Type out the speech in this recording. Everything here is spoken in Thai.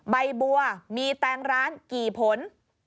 ใบบัวมีแตงร้านกี่ผล